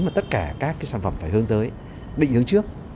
mà tất cả các sản phẩm phải hướng tới định hướng trước